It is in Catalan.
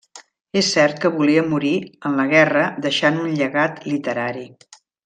És cert que volia morir en la guerra deixant un llegat literari.